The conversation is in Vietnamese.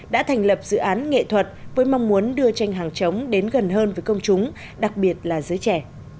đã thành lập dự án nghệ thuật với mong muốn đưa tranh hàng chống đến gần hơn với công chúng đặc biệt là giới trẻ